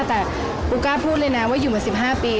แต่ปูกล้าพูดเลยนะว่าอยู่มา๑๕ปี